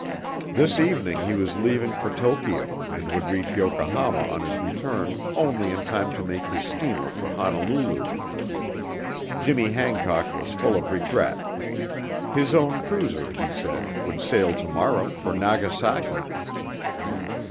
This evening he was leaving for Tokyo and would reach Yokohama on his return only in time to make his steamer for Honolulu. Jimmy Hancock was full of regret. His own cruiser, he said, would sail to morrow for Nagasaki.